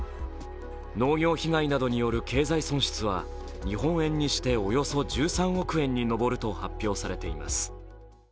農業被害などによる経済損失はおよそ１３億円にのぼると発表されています。